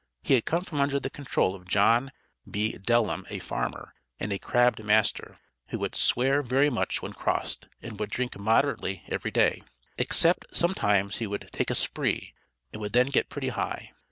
He had come from under the control of John P. Dellum a farmer, and a crabbed master, who "would swear very much when crossed, and would drink moderately every day," except sometimes he would "take a spree," and would then get pretty high.